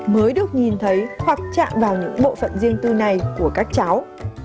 mới được nhìn thấy hoặc chạm vào những bộ phận riêng tư này của các cháu